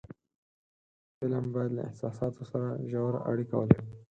فلم باید له احساساتو سره ژور اړیکه ولري